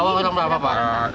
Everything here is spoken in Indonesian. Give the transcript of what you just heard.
yang dibawa ke bupati